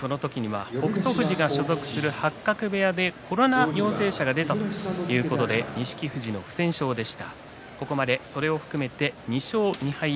北勝富士が所属する八角部屋でコロナの陽性者が出たということで錦富士の不戦勝です。